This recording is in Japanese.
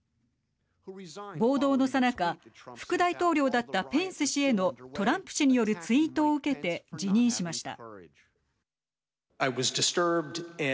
暴動のさなか副大統領だったペンス氏へのトランプ氏によるツイートを受けて辞任しました。